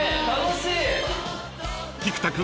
［菊田君